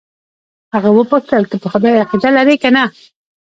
هغه وپوښتل ته پر خدای عقیده لرې که نه.